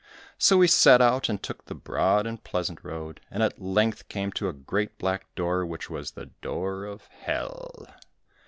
So he set out and took the broad and pleasant road, and at length came to a great black door, which was the door of Hell.